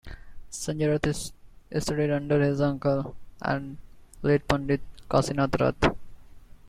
Sanjay Rath studied under his uncle, the late Pandit Kasinath Rath.